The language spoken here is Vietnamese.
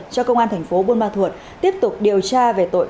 cho công an thành phố buôn ma thuột tiếp tục điều tra về tội